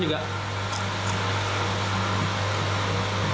ini juga bisa dikonsumsi dengan apel